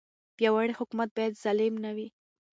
پیاوړی حکومت باید ظالم نه وي.